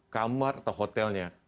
kamar atau hotelnya